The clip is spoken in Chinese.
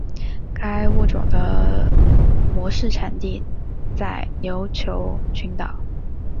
该物种的模式产地在琉球群岛。